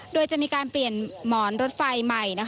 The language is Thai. โดยจะมีการเปลี่ยนหมอนรถไฟใหม่